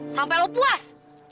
sampai lo puas